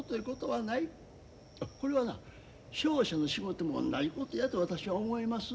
これはな商社の仕事もおんなじことやと私は思います。